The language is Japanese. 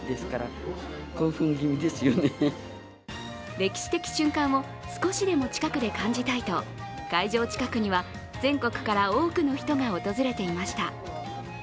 歴史的瞬間を少しでも近くで感じたいと、会場近くには全国から多くの人が訪れていました。